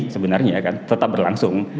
sebenarnya kan tetap berlangsung